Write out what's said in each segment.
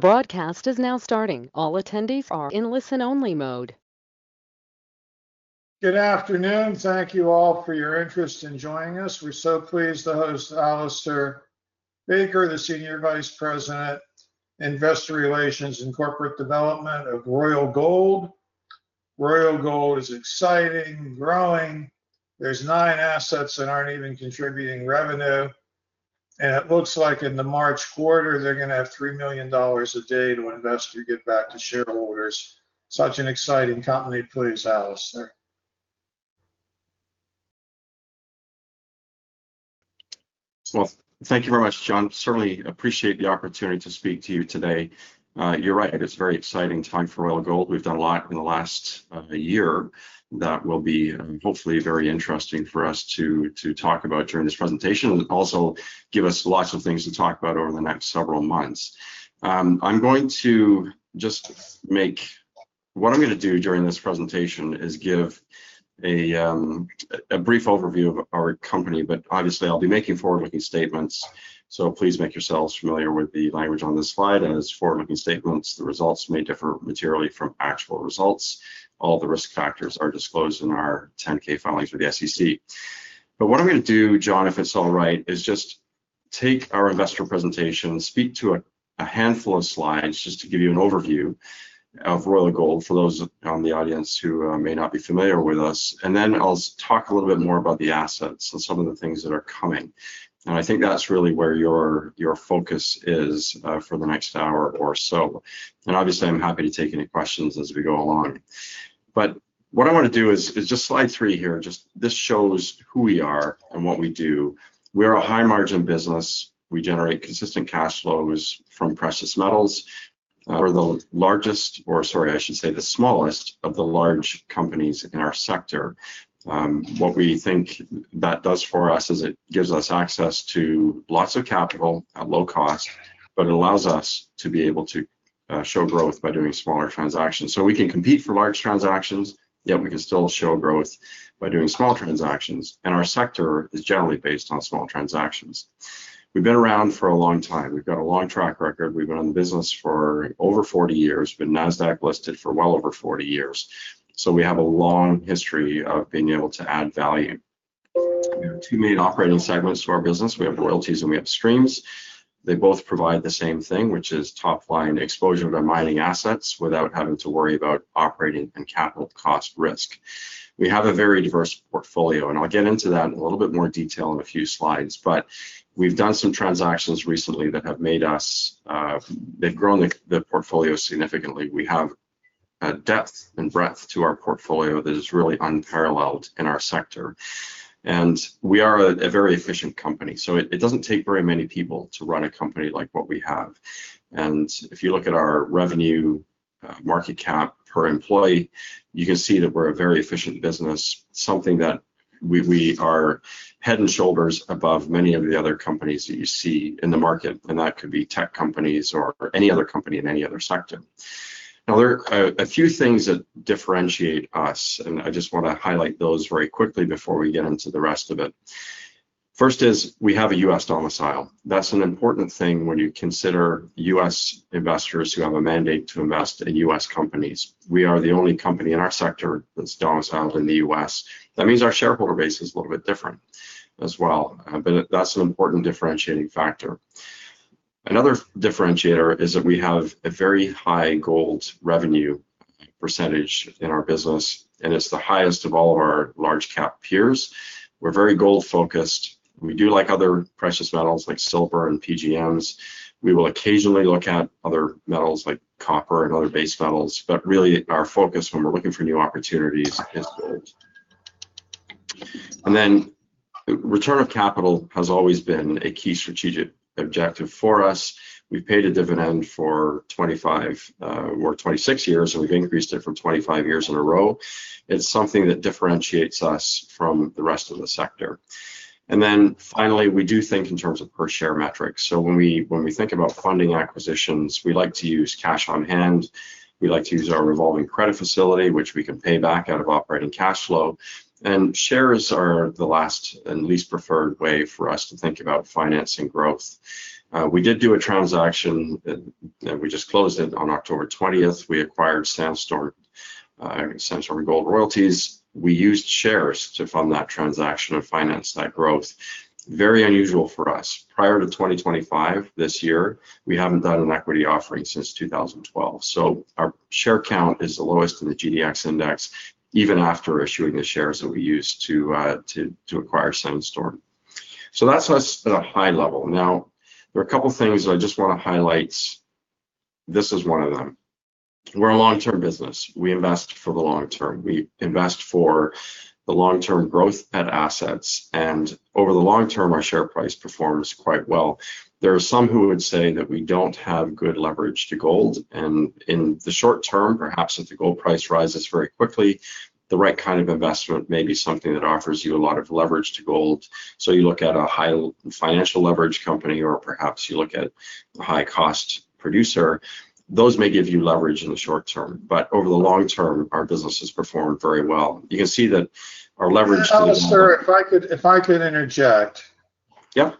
Broadcast is now starting. All attendees are in listen-only mode. Good afternoon. Thank you all for your interest in joining us. We're so pleased to host Alistair Baker, the Senior Vice President, Investor Relations and Corporate Development of Royal Gold. Royal Gold is exciting, growing. There's nine assets that aren't even contributing revenue, and it looks like in the March quarter, they're going to have $3 million a day to invest or give back to shareholders. Such an exciting company. Please, Alistair. Thank you very much, John. Certainly appreciate the opportunity to speak to you today. You're right. It's a very exciting time for Royal Gold. We've done a lot in the last year that will be hopefully very interesting for us to talk about during this presentation and also give us lots of things to talk about over the next several months. I'm going to just make what I'm going to do during this presentation is give a brief overview of our company. But obviously, I'll be making forward-looking statements. So please make yourselves familiar with the language on this slide, and as forward-looking statements, the results may differ materially from actual results. All the risk factors are disclosed in our 10-K filings with the SEC. But what I'm going to do, John, if it's all right, is just take our investor presentation, speak to a handful of slides just to give you an overview of Royal Gold for those in the audience who may not be familiar with us. And then I'll talk a little bit more about the assets and some of the things that are coming. And I think that's really where your focus is for the next hour or so. And obviously, I'm happy to take any questions as we go along. But what I want to do is just slide three here. Just this shows who we are and what we do. We are a high-margin business. We generate consistent cash flows from precious metals. We're the largest, or sorry, I should say the smallest of the large companies in our sector. What we think that does for us is it gives us access to lots of capital at low cost, but it allows us to be able to show growth by doing smaller transactions, so we can compete for large transactions, yet we can still show growth by doing small transactions, and our sector is generally based on small transactions. We've been around for a long time. We've got a long track record. We've been in the business for over 40 years. We've been Nasdaq-listed for well over 40 years, so we have a long history of being able to add value. We have two main operating segments to our business. We have royalties and we have streams. They both provide the same thing, which is top-line exposure to mining assets without having to worry about operating and capital cost risk. We have a very diverse portfolio. And I'll get into that in a little bit more detail in a few slides. But we've done some transactions recently that have made us. They've grown the portfolio significantly. We have a depth and breadth to our portfolio that is really unparalleled in our sector. And we are a very efficient company. So it doesn't take very many people to run a company like what we have. And if you look at our revenue market cap per employee, you can see that we're a very efficient business, something that we are head and shoulders above many of the other companies that you see in the market. And that could be tech companies or any other company in any other sector. Now, there are a few things that differentiate us. And I just want to highlight those very quickly before we get into the rest of it. First is we have a U.S. domicile. That's an important thing when you consider U.S. investors who have a mandate to invest in U.S. companies. We are the only company in our sector that's domiciled in the U.S. That means our shareholder base is a little bit different as well, but that's an important differentiating factor. Another differentiator is that we have a very high gold revenue percentage in our business, and it's the highest of all of our large-cap peers. We're very gold-focused. We do like other precious metals like silver and PGMs. We will occasionally look at other metals like copper and other base metals, but really, our focus when we're looking for new opportunities is gold, and then return of capital has always been a key strategic objective for us. We've paid a dividend for 25 or 26 years, and we've increased it for 25 years in a row. It's something that differentiates us from the rest of the sector, and then finally, we do think in terms of per-share metrics, so when we think about funding acquisitions, we like to use cash on hand. We like to use our revolving credit facility, which we can pay back out of operating cash flow, and shares are the last and least preferred way for us to think about financing growth. We did do a transaction. We just closed it on October 20th. We acquired Sandstorm Gold Royalties. We used shares to fund that transaction and finance that growth. Very unusual for us. Prior to 2025, this year, we haven't done an equity offering since 2012. So our share count is the lowest in the GDX index, even after issuing the shares that we used to acquire Sandstorm. So that's us at a high level. Now, there are a couple of things I just want to highlight. This is one of them. We're a long-term business. We invest for the long term. We invest for the long-term growth at assets. And over the long term, our share price performs quite well. There are some who would say that we don't have good leverage to gold. And in the short term, perhaps if the gold price rises very quickly, the right kind of investment may be something that offers you a lot of leverage to gold. So you look at a high financial leverage company, or perhaps you look at a high-cost producer. Those may give you leverage in the short term. But over the long term, our business has performed very well. You can see that our leverage to the gold. Alistair, if I could interject. Yeah.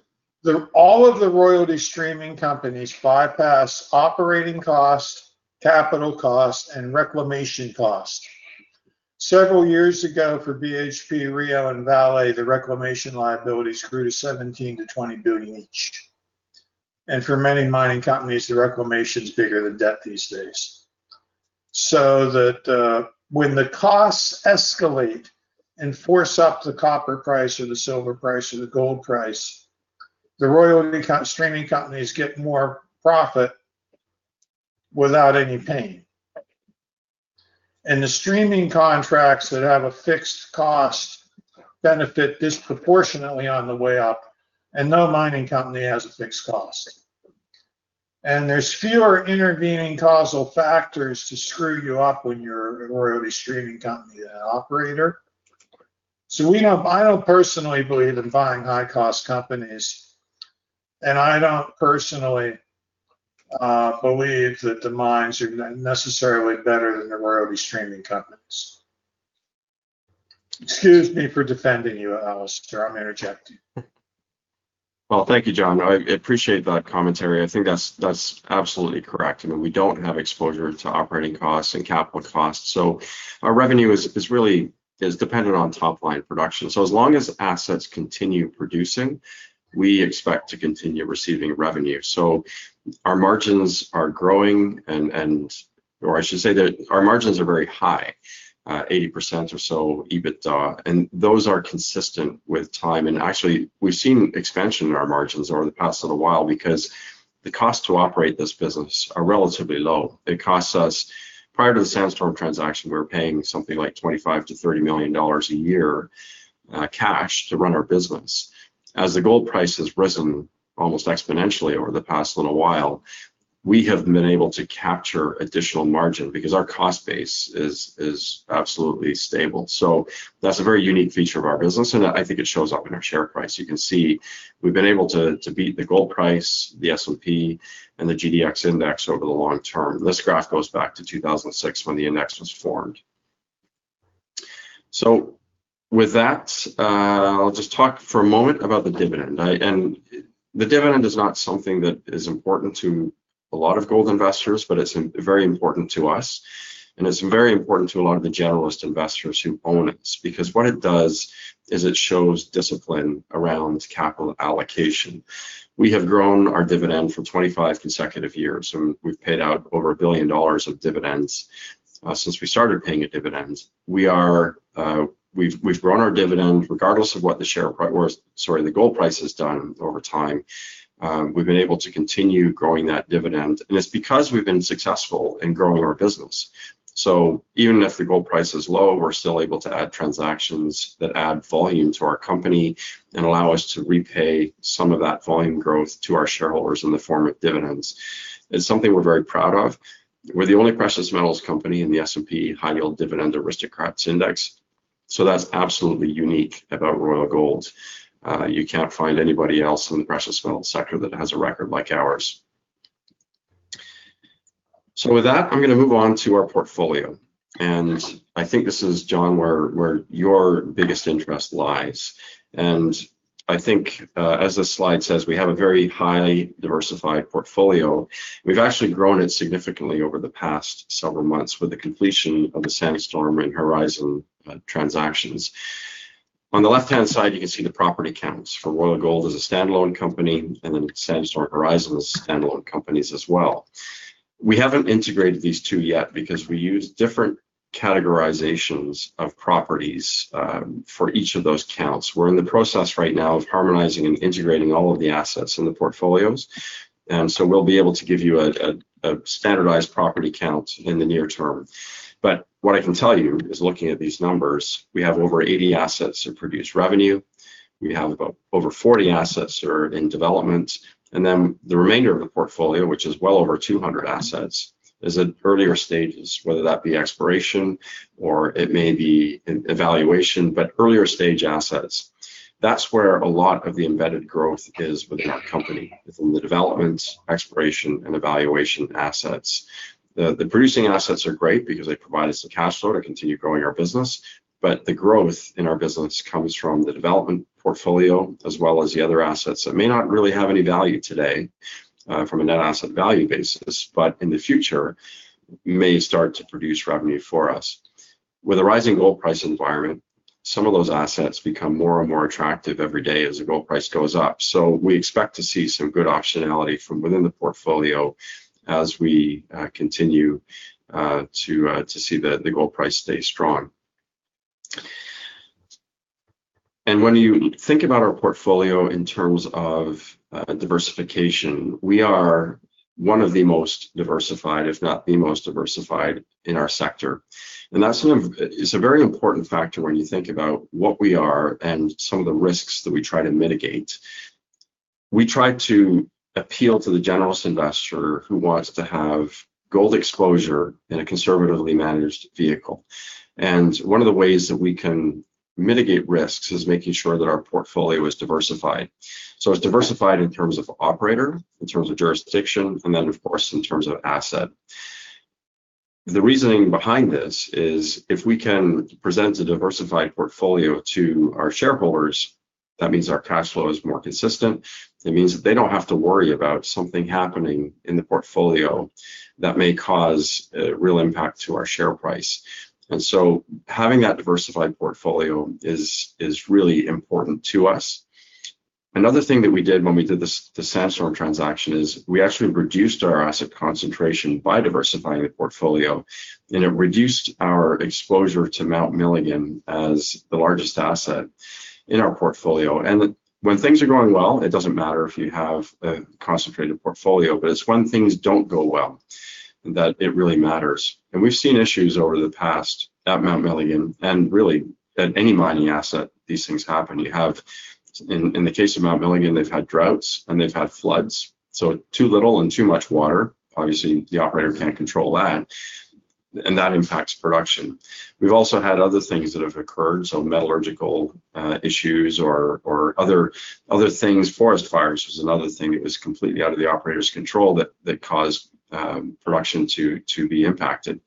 All of the royalty streaming companies bypass operating cost, capital cost, and reclamation cost. Several years ago for BHP, Rio, and Vale, the reclamation liabilities grew to $17-$20 billion each. And for many mining companies, the reclamation is bigger than debt these days. So when the costs escalate and force up the copper price or the silver price or the gold price, the royalty streaming companies get more profit without any pain. And the streaming contracts that have a fixed cost benefit disproportionately on the way up. And no mining company has a fixed cost. And there's fewer intervening causal factors to screw you up when you're a royalty streaming company operator. So I don't personally believe in buying high-cost companies. And I don't personally believe that the mines are necessarily better than the royalty streaming companies. Excuse me for defending you, Alistair. I'm interjecting. Thank you, John. I appreciate that commentary. I think that's absolutely correct. I mean, we don't have exposure to operating costs and capital costs. So our revenue is really dependent on top-line production. So as long as assets continue producing, we expect to continue receiving revenue. So our margins are growing, or I should say that our margins are very high, 80% or so EBITDA. And those are consistent with time. And actually, we've seen expansion in our margins over the past little while because the cost to operate this business is relatively low. It costs us, prior to the Sandstorm transaction, we were paying something like $25-$30 million a year cash to run our business. As the gold price has risen almost exponentially over the past little while, we have been able to capture additional margin because our cost base is absolutely stable. So that's a very unique feature of our business. And I think it shows up in our share price. You can see we've been able to beat the gold price, the S&P, and the GDX index over the long term. This graph goes back to 2006 when the index was formed. So with that, I'll just talk for a moment about the dividend. And the dividend is not something that is important to a lot of gold investors, but it's very important to us. And it's very important to a lot of the generalist investors who own it because what it does is it shows discipline around capital allocation. We have grown our dividend for 25 consecutive years. And we've paid out over $1 billion of dividends since we started paying a dividend. We've grown our dividend regardless of what the share price or, sorry, the gold price has done over time. We've been able to continue growing that dividend. And it's because we've been successful in growing our business. So even if the gold price is low, we're still able to add transactions that add volume to our company and allow us to repay some of that volume growth to our shareholders in the form of dividends. It's something we're very proud of. We're the only precious metals company in the S&P High Yield Dividend Aristocrats Index. So that's absolutely unique about Royal Gold. You can't find anybody else in the precious metal sector that has a record like ours. So with that, I'm going to move on to our portfolio. And I think this is, John, where your biggest interest lies. And I think, as the slide says, we have a very highly diversified portfolio. We've actually grown it significantly over the past several months with the completion of the Sandstorm and Horizon transactions. On the left-hand side, you can see the property counts for Royal Gold as a standalone company and then Sandstorm Horizon as standalone companies as well. We haven't integrated these two yet because we use different categorizations of properties for each of those counts. We're in the process right now of harmonizing and integrating all of the assets in the portfolios. And so we'll be able to give you a standardized property count in the near term. But what I can tell you is, looking at these numbers, we have over 80 assets that produce revenue. We have over 40 assets that are in development. And then the remainder of the portfolio, which is well over 200 assets, is at earlier stages, whether that be exploration or it may be evaluation, but earlier stage assets. That's where a lot of the embedded growth is within our company. It's in the development, exploration, and evaluation assets. The producing assets are great because they provide us a cash flow to continue growing our business. But the growth in our business comes from the development portfolio as well as the other assets that may not really have any value today from a net asset value basis, but in the future may start to produce revenue for us. With a rising gold price environment, some of those assets become more and more attractive every day as the gold price goes up. We expect to see some good optionality from within the portfolio as we continue to see the gold price stay strong. And when you think about our portfolio in terms of diversification, we are one of the most diversified, if not the most diversified, in our sector. And that's a very important factor when you think about what we are and some of the risks that we try to mitigate. We try to appeal to the generalist investor who wants to have gold exposure in a conservatively managed vehicle. And one of the ways that we can mitigate risks is making sure that our portfolio is diversified. It's diversified in terms of operator, in terms of jurisdiction, and then, of course, in terms of asset. The reasoning behind this is if we can present a diversified portfolio to our shareholders, that means our cash flow is more consistent. It means that they don't have to worry about something happening in the portfolio that may cause a real impact to our share price. And so having that diversified portfolio is really important to us. Another thing that we did when we did the Sandstorm transaction is we actually reduced our asset concentration by diversifying the portfolio. And it reduced our exposure to Mount Milligan as the largest asset in our portfolio. And when things are going well, it doesn't matter if you have a concentrated portfolio. But it's when things don't go well that it really matters. And we've seen issues over the past at Mount Milligan. And really, at any mining asset, these things happen. In the case of Mount Milligan, they've had droughts and they've had floods. So too little and too much water, obviously, the operator can't control that. And that impacts production. We've also had other things that have occurred, so metallurgical issues or other things. Forest fires was another thing that was completely out of the operator's control that caused production to be impacted.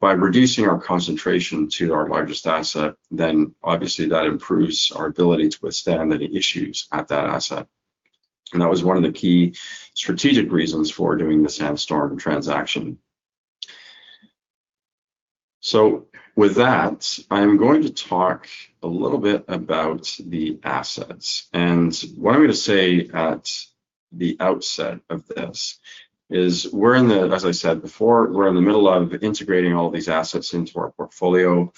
By reducing our concentration to our largest asset, then obviously that improves our ability to withstand any issues at that asset. And that was one of the key strategic reasons for doing the Sandstorm transaction. So with that, I am going to talk a little bit about the assets. And what I'm going to say at the outset of this is, as I said before, we're in the middle of integrating all these assets into our portfolio.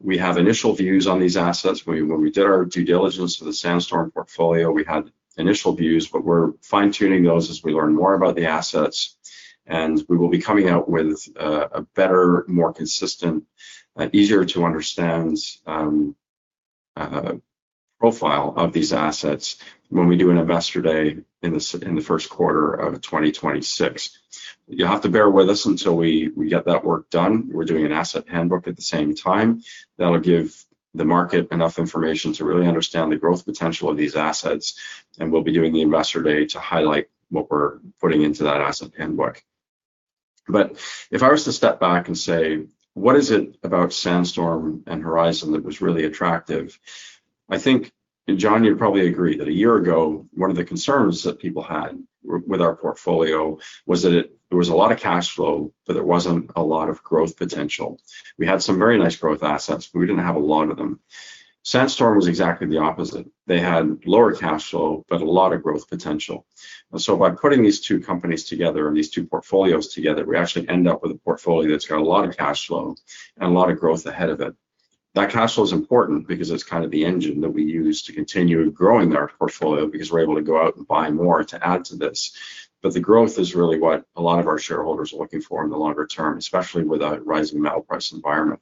We have initial views on these assets. When we did our due diligence for the Sandstorm portfolio, we had initial views, but we're fine-tuning those as we learn more about the assets. We will be coming out with a better, more consistent, easier-to-understand profile of these assets when we do an investor day in the first quarter of 2026. You'll have to bear with us until we get that work done. We're doing an asset handbook at the same time. That'll give the market enough information to really understand the growth potential of these assets. We'll be doing the investor day to highlight what we're putting into that asset handbook. If I was to step back and say, what is it about Sandstorm and Horizon that was really attractive? I think, John, you'd probably agree that a year ago, one of the concerns that people had with our portfolio was that there was a lot of cash flow, but there wasn't a lot of growth potential. We had some very nice growth assets, but we didn't have a lot of them. Sandstorm was exactly the opposite. They had lower cash flow, but a lot of growth potential. And so by putting these two companies together and these two portfolios together, we actually end up with a portfolio that's got a lot of cash flow and a lot of growth ahead of it. That cash flow is important because it's kind of the engine that we use to continue growing our portfolio because we're able to go out and buy more to add to this. But the growth is really what a lot of our shareholders are looking for in the longer term, especially with a rising metal price environment.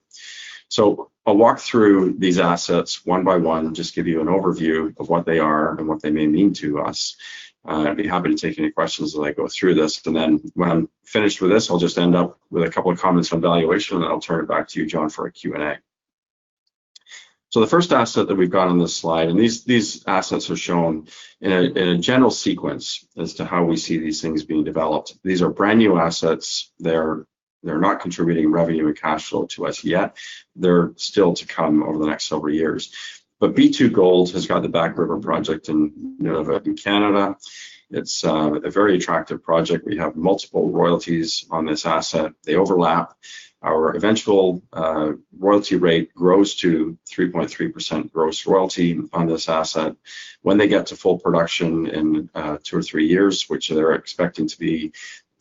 So I'll walk through these assets one by one, just give you an overview of what they are and what they may mean to us. I'd be happy to take any questions as I go through this, and then when I'm finished with this, I'll just end up with a couple of comments on valuation, and then I'll turn it back to you, John, for a Q&A, so the first asset that we've got on this slide, and these assets are shown in a general sequence as to how we see these things being developed. These are brand new assets. They're not contributing revenue and cash flow to us yet. They're still to come over the next several years, but B2Gold has got the Back River Project in Canada. It's a very attractive project. We have multiple royalties on this asset. They overlap. Our eventual royalty rate grows to 3.3% gross royalty on this asset. When they get to full production in two or three years, which they're expecting to be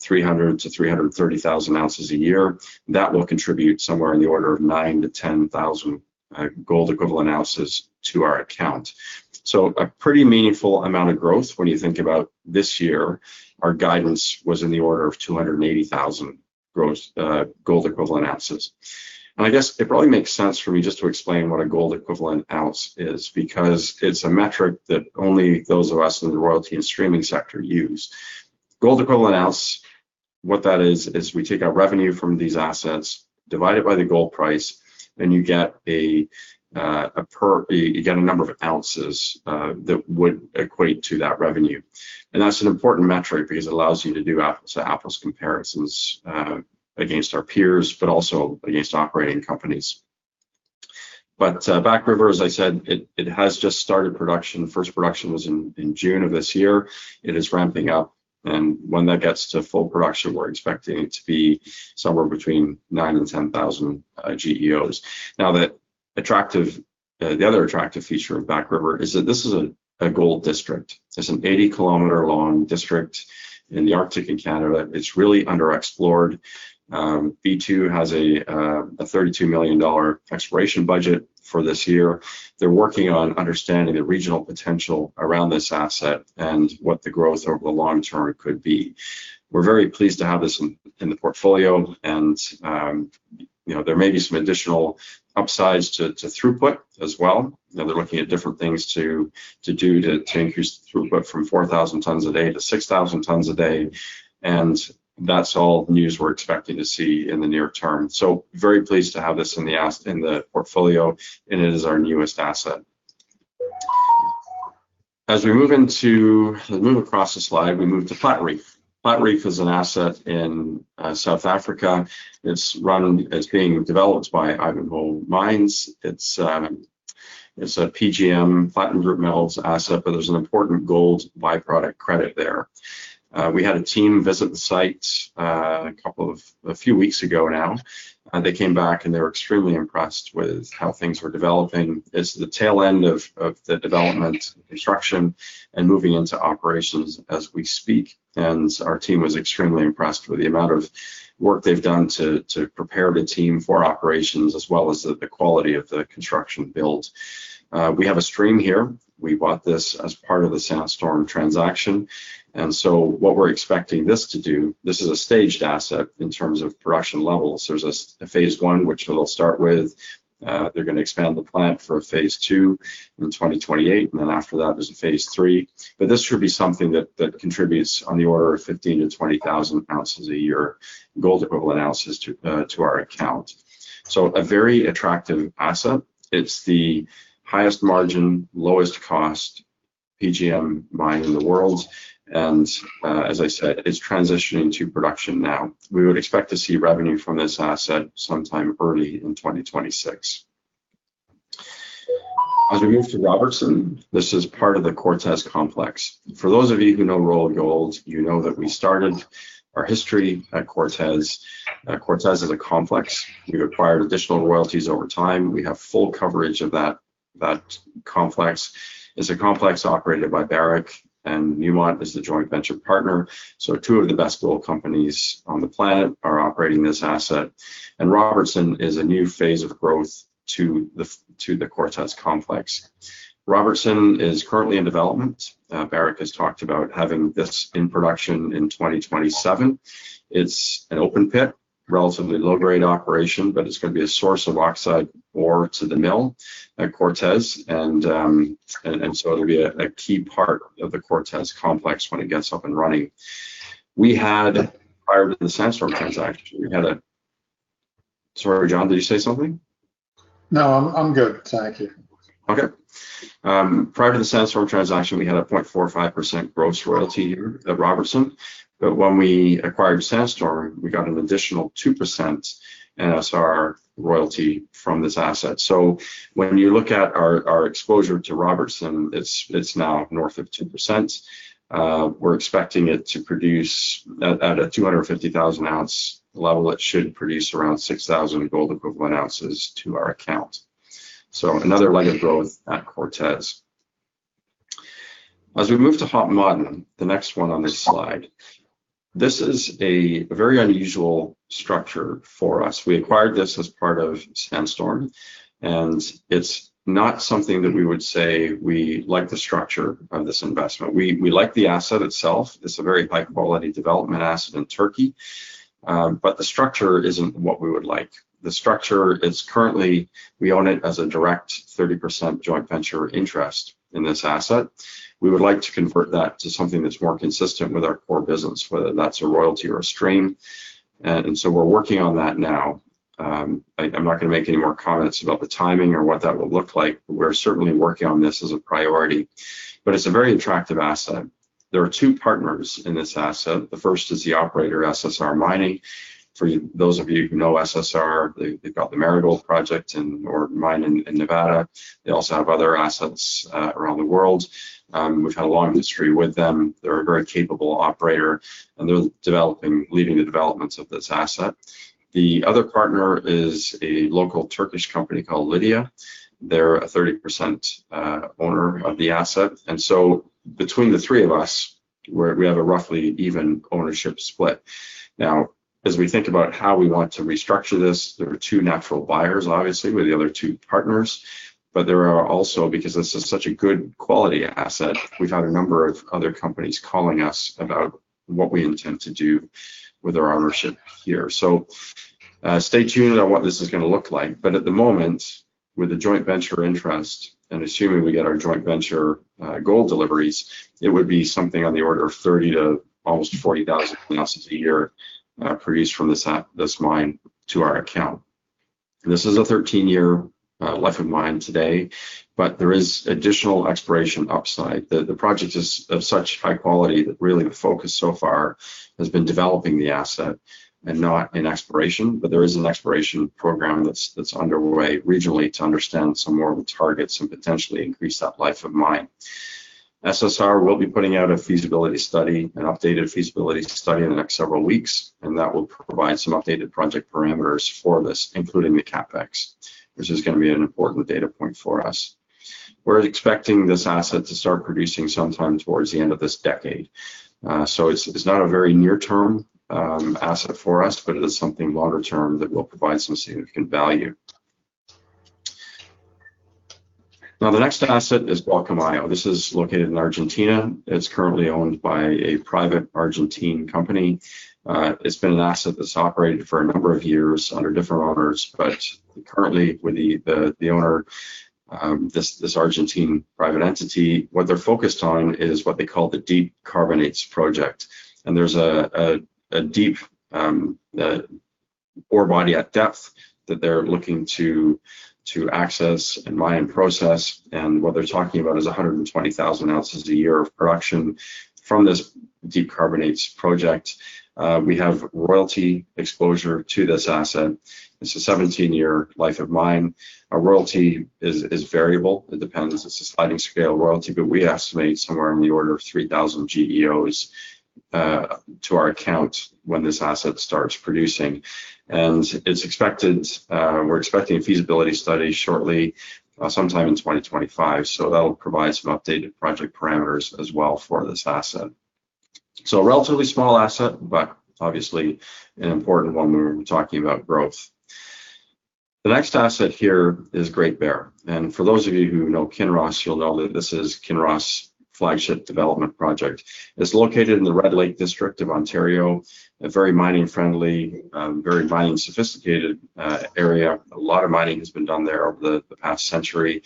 300,000-330,000 oz a year, that will contribute somewhere in the order of 9,000-10,000 gold equivalent oz to our account. So a pretty meaningful amount of growth when you think about this year. Our guidance was in the order of 280,000 gold equivalent oz. And I guess it probably makes sense for me just to explain what a gold equivalent ounce is because it's a metric that only those of us in the royalty and streaming sector use. Gold equivalent ounce, what that is, is we take our revenue from these assets, divide it by the gold price, and you get a number of ounces that would equate to that revenue. That's an important metric because it allows you to do apples-to-apples comparisons against our peers, but also against operating companies. Back River, as I said, it has just started production. First production was in June of this year. It is ramping up. When that gets to full production, we're expecting it to be somewhere between 9,000 and 10,000 GEOs. Now, the other attractive feature of Back River is that this is a gold district. It's an 80-kilometer-long district in the Arctic in Canada. It's really underexplored. B2 has a $32 million exploration budget for this year. They're working on understanding the regional potential around this asset and what the growth over the long term could be. We're very pleased to have this in the portfolio. There may be some additional upsides to throughput as well. They're looking at different things to do to increase throughput from 4,000 tons a day to 6,000 tons a day. And that's all news we're expecting to see in the near term. So very pleased to have this in the portfolio, and it is our newest asset. As we move across the slide, we move to Platreef. Platreef is an asset in South Africa. It's being developed by Ivanhoe Mines. It's a PGM Platinum Group Metals asset, but there's an important gold byproduct credit there. We had a team visit the site a few weeks ago now. They came back, and they were extremely impressed with how things were developing. It's the tail end of the development, construction, and moving into operations as we speak. Our team was extremely impressed with the amount of work they've done to prepare the team for operations as well as the quality of the construction build. We have a stream here. We bought this as part of the Sandstorm transaction. So what we're expecting this to do, this is a staged asset in terms of production levels. There's a phase one, which they'll start with. They're going to expand the plant for a phase two in 2028. Then after that, there's a phase three. But this should be something that contributes on the order of 15,000-20,000 oz a year, gold equivalent ounces to our account. A very attractive asset. It's the highest margin, lowest cost PGM mine in the world. As I said, it's transitioning to production now. We would expect to see revenue from this asset sometime early in 2026. As we move to Robertson, this is part of the Cortez Complex. For those of you who know Royal Gold, you know that we started our history at Cortez. Cortez is a complex. We've acquired additional royalties over time. We have full coverage of that Complex. It's a Complex operated by Barrick, and Newmont is the joint venture partner, so two of the best gold companies on the planet are operating this asset, and Robertson is a new phase of growth to the Cortez Complex. Robertson is currently in development. Barrick has talked about having this in production in 2027. It's an open pit, relatively low-grade operation, but it's going to be a source of oxide ore to the mill at Cortez, and so it'll be a key part of the Cortez Complex when it gets up and running. Prior to the Sandstorm transaction, we had. Sorry, John, did you say something? No, I'm good. Thank you. Okay. Prior to the Sandstorm transaction, we had a 0.45% gross royalty at Robertson. But when we acquired Sandstorm, we got an additional 2% NSR royalty from this asset. So when you look at our exposure to Robertson, it's now north of 2%. We're expecting it to produce at a 250,000 ounce level. It should produce around 6,000 gold equivalent oz to our account. So another leg of growth at Cortez. As we move to Hod Maden, the next one on this slide, this is a very unusual structure for us. We acquired this as part of Sandstorm, and it's not something that we would say we like the structure of this investment. We like the asset itself. It's a very high-quality development asset in Turkey. But the structure isn't what we would like. The structure is currently. We own it as a direct 30% joint venture interest in this asset. We would like to convert that to something that's more consistent with our core business, whether that's a royalty or a stream. And so we're working on that now. I'm not going to make any more comments about the timing or what that will look like. We're certainly working on this as a priority. But it's a very attractive asset. There are two partners in this asset. The first is the operator, SSR Mining. For those of you who know SSR, they've got the Marigold Project or mine in Nevada. They also have other assets around the world. We've had a long history with them. They're a very capable operator, and they're leading the developments of this asset. The other partner is a local Turkish company called Lidya. They're a 30% owner of the asset, and so between the three of us, we have a roughly even ownership split. Now, as we think about how we want to restructure this, there are two natural buyers, obviously, with the other two partners, but there are also, because this is such a good quality asset, we've had a number of other companies calling us about what we intend to do with our ownership here, so stay tuned on what this is going to look like, but at the moment, with the joint venture interest, and assuming we get our joint venture gold deliveries, it would be something on the order of 30,000 to almost 40,000 oz a year produced from this mine to our account. This is a 13-year life of mine today, but there is additional exploration upside. The project is of such high quality that really the focus so far has been developing the asset and not in exploration, but there is an exploration program that's underway regionally to understand some more of the targets and potentially increase that life of mine. SSR will be putting out a feasibility study, an updated feasibility study in the next several weeks, and that will provide some updated project parameters for this, including the CapEx, which is going to be an important data point for us. We're expecting this asset to start producing sometime towards the end of this decade. So it's not a very near-term asset for us, but it is something longer-term that will provide some significant value. Now, the next asset is Gualcamayo. This is located in Argentina. It's currently owned by a private Argentine company. It's been an asset that's operated for a number of years under different owners, but currently, with the owner, this Argentine private entity, what they're focused on is what they call the Deep Carbonates project. And there's a deep ore body at depth that they're looking to access and mine and process. And what they're talking about is 120,000 oz a year of production from this Deep Carbonates project. We have royalty exposure to this asset. It's a 17-year life of mine. Our royalty is variable. It depends. It's a sliding scale royalty, but we estimate somewhere in the order of 3,000 GEOs to our account when this asset starts producing. And we're expecting a feasibility study shortly, sometime in 2025. So that'll provide some updated project parameters as well for this asset. So a relatively small asset, but obviously an important one when we're talking about growth. The next asset here is Great Bear. For those of you who know Kinross, you'll know that this is Kinross' flagship development project. It's located in the Red Lake District of Ontario, a very mining-friendly, very mining-sophisticated area. A lot of mining has been done there over the past century.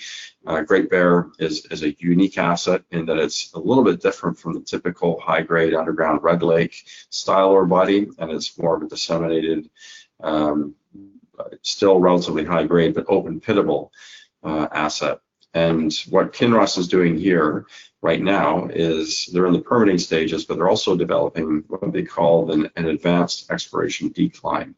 Great Bear is a unique asset in that it's a little bit different from the typical high-grade underground Red Lake style ore body, and it's more of a disseminated, still relatively high-grade, but open-pittable asset. What Kinross is doing here right now is they're in the permitting stages, but they're also developing what they call an advanced exploration decline.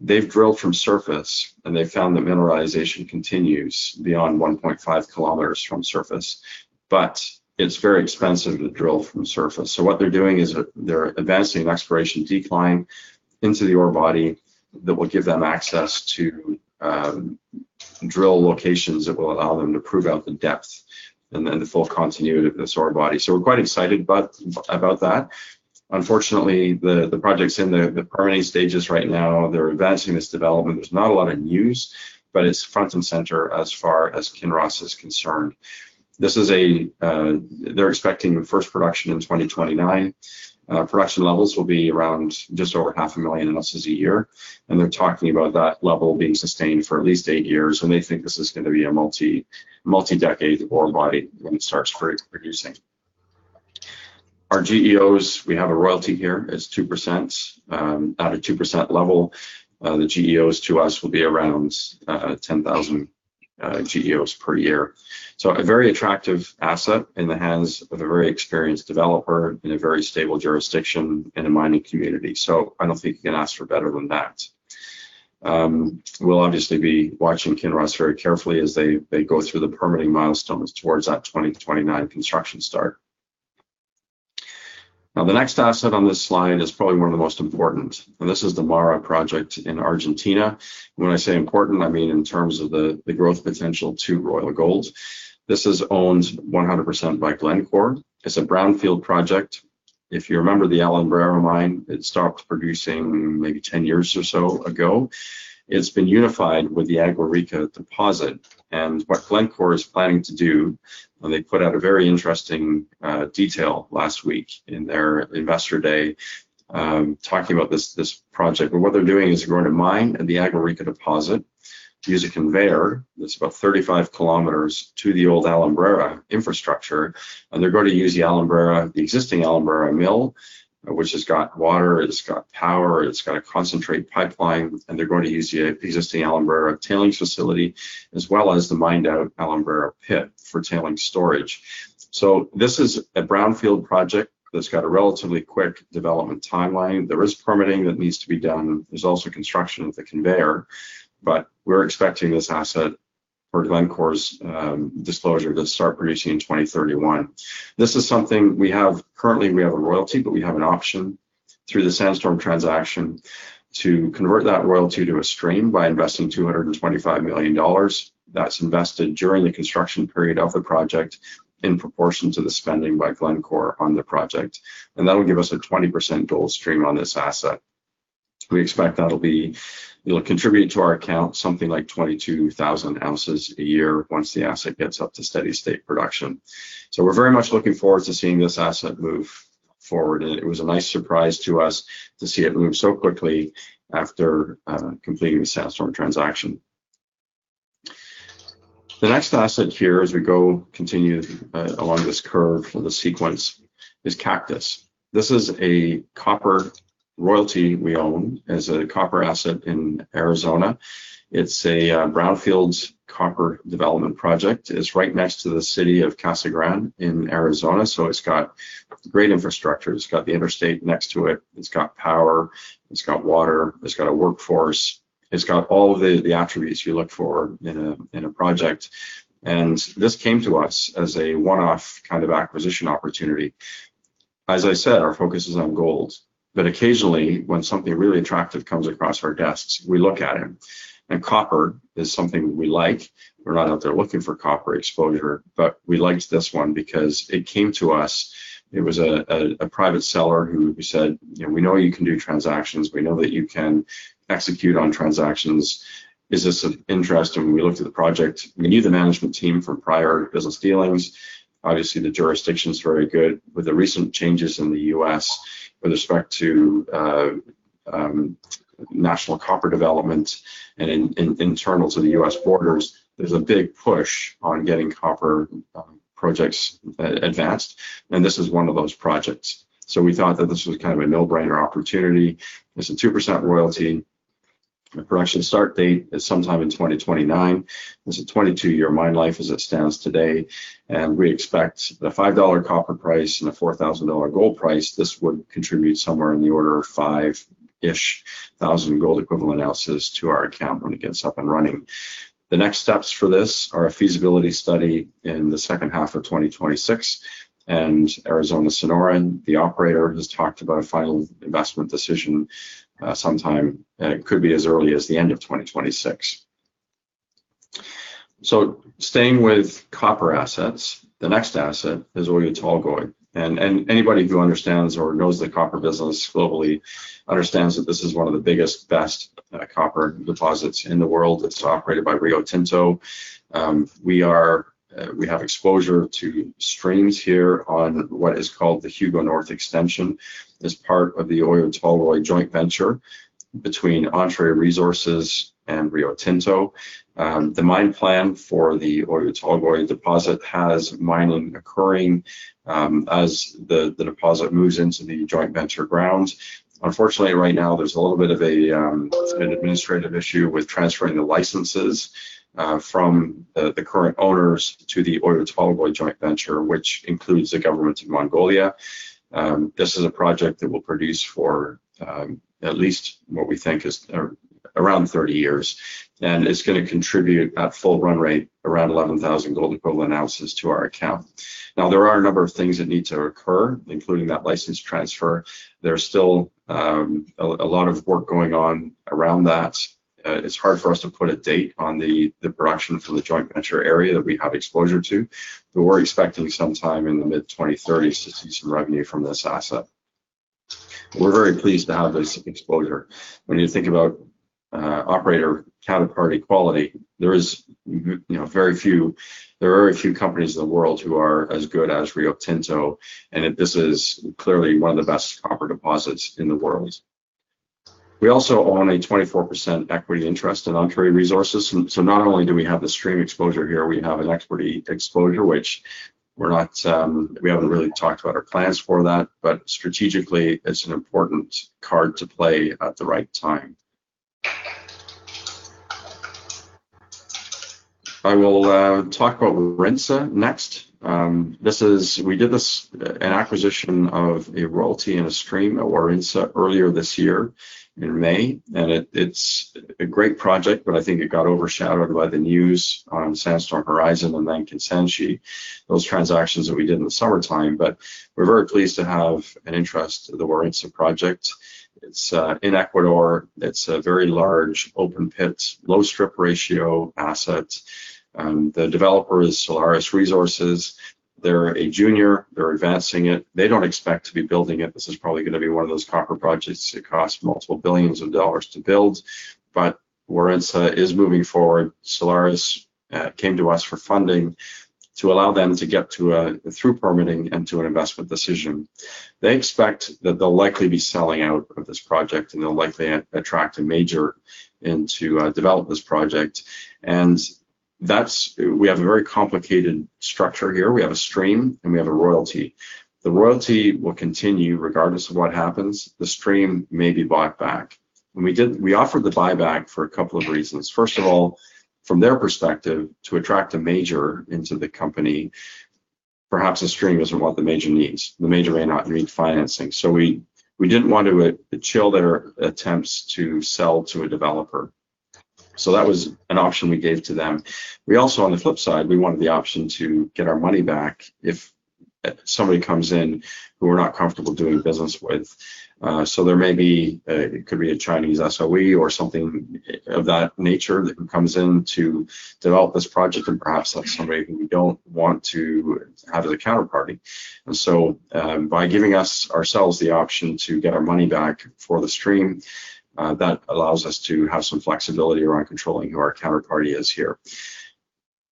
They've drilled from surface, and they found the mineralization continues beyond 1.5 km from surface, but it's very expensive to drill from surface. So what they're doing is they're advancing an exploration decline into the ore body that will give them access to drill locations that will allow them to prove out the depth and the full continuity of this ore body. So we're quite excited about that. Unfortunately, the project's in the permitting stages right now. They're advancing this development. There's not a lot of news, but it's front and center as far as Kinross is concerned. They're expecting first production in 2029. Production levels will be around just over 500,000 oz a year. And they're talking about that level being sustained for at least eight years. And they think this is going to be a multi-decade ore body when it starts producing. Our GEOs, we have a royalty here. It's 2%. At a 2% level, the GEOs to us will be around 10,000 GEOs per year. So a very attractive asset in the hands of a very experienced developer in a very stable jurisdiction in a mining community. So I don't think you can ask for better than that. We'll obviously be watching Kinross very carefully as they go through the permitting milestones towards that 2029 construction start. Now, the next asset on this slide is probably one of the most important. And this is the Mara Project in Argentina. When I say important, I mean in terms of the growth potential to Royal Gold. This is owned 100% by Glencore. It's a brownfield project. If you remember the Alumbrera mine, it stopped producing maybe 10 years or so ago. It's been unified with the Agua Rica deposit. And what Glencore is planning to do, and they put out a very interesting detail last week in their investor day talking about this project. But what they're doing is they're going to mine at the Agua Rica deposit, use a conveyor that's about 35 km to the old Alumbrera infrastructure. And they're going to use the existing Alumbrera mill, which has got water, it's got power, it's got a concentrate pipeline, and they're going to use the existing Alumbrera tailings facility, as well as the mined-out Alumbrera pit for tailings storage. So this is a brownfield project that's got a relatively quick development timeline. There is permitting that needs to be done. There's also construction of the conveyor. But we're expecting this asset, per Glencore's disclosure, to start producing in 2031. This is something we have currently, we have a royalty, but we have an option through the Sandstorm transaction to convert that royalty to a stream by investing $225 million. That's invested during the construction period of the project in proportion to the spending by Glencore on the project, and that'll give us a 20% gold stream on this asset. We expect that'll contribute to our account something like 22,000 oz a year once the asset gets up to steady-state production, so we're very much looking forward to seeing this asset move forward. It was a nice surprise to us to see it move so quickly after completing the Sandstorm transaction. The next asset here, as we go continue along this curve for the sequence, is Cactus. This is a copper royalty we own as a copper asset in Arizona. It's a brownfields copper development project. It's right next to the city of Casa Grande in Arizona, so it's got great infrastructure. It's got the interstate next to it. It's got power. It's got water. It's got a workforce. It's got all of the attributes you look for in a project, and this came to us as a one-off kind of acquisition opportunity. As I said, our focus is on gold, but occasionally, when something really attractive comes across our desks, we look at it, and copper is something we like. We're not out there looking for copper exposure, but we liked this one because it came to us. It was a private seller who said, "We know you can do transactions. We know that you can execute on transactions. Is this of interest?" and we looked at the project. We knew the management team from prior business dealings. Obviously, the jurisdiction is very good. With the recent changes in the U.S. with respect to national copper development and internal to the U.S. borders, there's a big push on getting copper projects advanced. This is one of those projects. We thought that this was kind of a no-brainer opportunity. It's a 2% royalty. The production start date is sometime in 2029. It's a 22-year mine life as it stands today. We expect the $5 copper price and the $4,000 gold price, this would contribute somewhere in the order of five-ish thousand gold equivalent ounces to our account when it gets up and running. The next steps for this are a feasibility study in the second half of 2026. Arizona Sonoran, the operator, has talked about a final investment decision sometime, and it could be as early as the end of 2026. Staying with copper assets, the next asset is Oyu Tolgoi. Anybody who understands or knows the copper business globally understands that this is one of the biggest, best copper deposits in the world. It's operated by Rio Tinto. We have exposure to streams here on what is called the Hugo North Extension. It's part of the Oyu Tolgoi joint venture between Entrée Resources and Rio Tinto. The mine plan for the Oyu Tolgoi deposit has mining occurring as the deposit moves into the joint venture grounds. Unfortunately, right now, there's a little bit of an administrative issue with transferring the licenses from the current owners to the Oyu Tolgoi joint venture, which includes the government of Mongolia. This is a project that will produce for at least what we think is around 30 years, and it's going to contribute at full run rate around 11,000 gold equivalent oz to our account. Now, there are a number of things that need to occur, including that license transfer. There's still a lot of work going on around that. It's hard for us to put a date on the production for the joint venture area that we have exposure to. But we're expecting sometime in the mid-2030s to see some revenue from this asset. We're very pleased to have this exposure. When you think about operator counterparty quality, there are very few companies in the world who are as good as Rio Tinto. And this is clearly one of the best copper deposits in the world. We also own a 24% equity interest in Entrée Resources. So not only do we have the stream exposure here, we have an equity exposure, which we haven't really talked about our plans for that. But strategically, it's an important card to play at the right time. I will talk about Warintza next. We did an acquisition of a royalty and a stream at Warintza earlier this year in May. And it's a great project, but I think it got overshadowed by the news on Sandstorm, Horizon and then Kansanshi, those transactions that we did in the summertime. But we're very pleased to have an interest in the Warintza project. It's in Ecuador. It's a very large open-pit, low-strip ratio asset. The developer is Solaris Resources. They're a junior. They're advancing it. They don't expect to be building it. This is probably going to be one of those copper projects that cost multiple billions of dollars to build. But Warintza is moving forward. Solaris came to us for funding to allow them to get through permitting and to an investment decision. They expect that they'll likely be selling out of this project, and they'll likely attract a major to develop this project. And we have a very complicated structure here. We have a stream, and we have a royalty. The royalty will continue regardless of what happens. The stream may be bought back, and we offered the buyback for a couple of reasons. First of all, from their perspective, to attract a major into the company, perhaps the stream isn't what the major needs. The major may not need financing, so we didn't want to chill their attempts to sell to a developer, so that was an option we gave to them. We also, on the flip side, we wanted the option to get our money back if somebody comes in who we're not comfortable doing business with, so there may be, it could be a Chinese SOE or something of that nature that comes in to develop this project, and perhaps that's somebody who we don't want to have as a counterparty. And so by giving us ourselves the option to get our money back for the stream, that allows us to have some flexibility around controlling who our counterparty is here.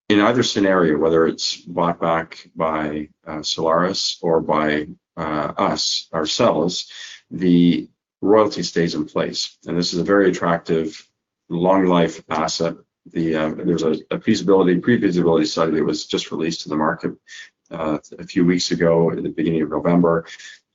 In either scenario, whether it's bought back by Solaris or by us ourselves, the royalty stays in place. And this is a very attractive long-life asset. There's a pre-feasibility study that was just released to the market a few weeks ago at the beginning of November.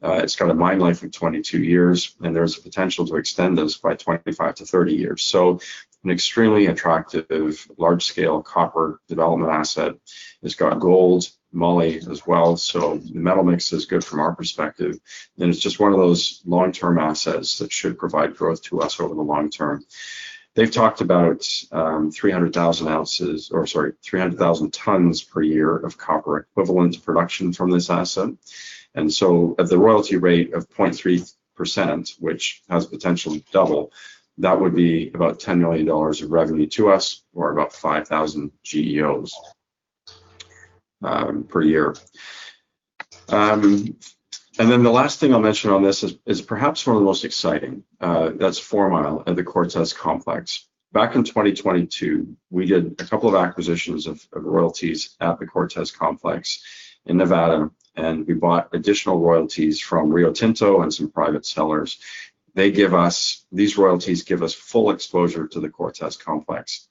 It's got a mine life of 22 years, and there's a potential to extend this by 25-30 years. So an extremely attractive large-scale copper development asset. It's got gold, molly as well. So the metal mix is good from our perspective. And it's just one of those long-term assets that should provide growth to us over the long term. They've talked about 300,000 oz or, sorry, 300,000 tons per year of copper equivalent production from this asset. And so at the royalty rate of 0.3%, which has potential to double, that would be about $10 million of revenue to us or about 5,000 GEOs per year. And then the last thing I'll mention on this is perhaps one of the most exciting. That's Four Mile at the Cortez Complex. Back in 2022, we did a couple of acquisitions of royalties at the Cortez Complex in Nevada. And we bought additional royalties from Rio Tinto and some private sellers. These royalties give us full exposure to the Cortez Complex.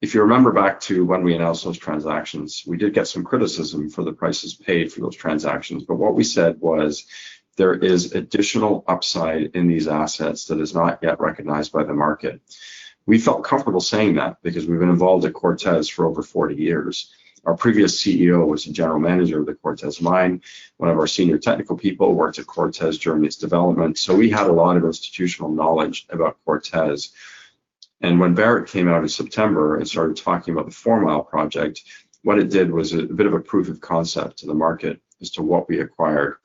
If you remember back to when we announced those transactions, we did get some criticism for the prices paid for those transactions. But what we said was there is additional upside in these assets that is not yet recognized by the market. We felt comfortable saying that because we've been involved at Cortez for over 40 years. Our previous CEO was a general manager of the Cortez mine. One of our senior technical people worked at Cortez during its development. So we had a lot of institutional knowledge about Cortez. And when Barrick came out in September and started talking about the Four Mile project, what it did was a bit of a proof of concept to the market as to what we acquired.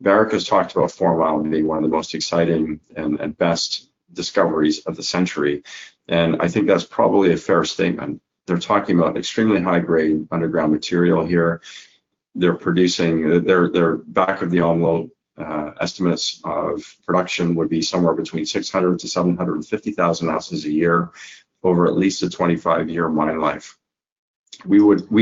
Barrick has talked about Four Mile being one of the most exciting and best discoveries of the century. And I think that's probably a fair statement. They're talking about extremely high-grade underground material here. They're producing their back-of-the-envelope estimates of production would be somewhere between 600,000-750,000 oz a year over at least a 25-year mine life. We